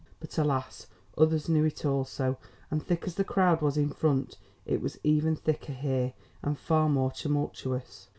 But alas, others knew it also, and thick as the crowd was in front, it was even thicker here, and far more tumultuous.